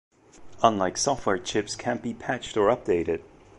Unlike software chips can't be patched or updated.